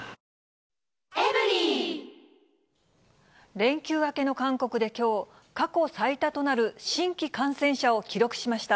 連休明けの韓国できょう、過去最多となる新規感染者を記録しました。